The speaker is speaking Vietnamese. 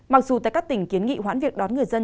mặc dù tại các tỉnh kiến nghị hoãn việc đón người dân